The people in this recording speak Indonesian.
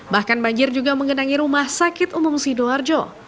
bahkan banjir juga mengenangi rumah sakit umum sidoarjo